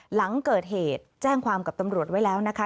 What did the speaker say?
หลังเกิดเหตุแจ้งความกับตำรวจไว้แล้วนะคะ